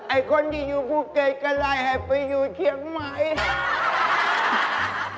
ไอ้คนที่อยู่ภูเก็ตก็ได้ให้ไปอยู่เชียงใหม่